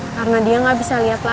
karena dia gak bisa liat lagi